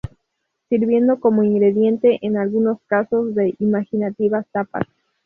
Sirviendo como ingrediente en algunos casos de imaginativas tapas.